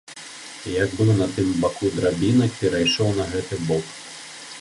Як быў на тым баку драбінак, перайшоў на гэты бок.